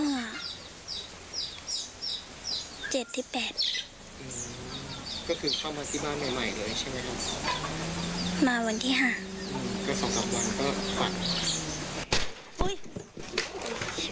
อืมก็คือเข้ามาที่บ้านใหม่เลยใช่มั้ยครับ